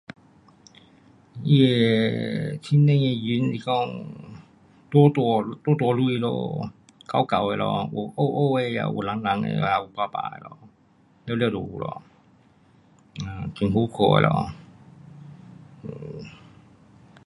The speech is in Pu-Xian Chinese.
um 天上的云是说大大朵厚厚有黑黑有蓝蓝有白白 [unintelligible] 很好看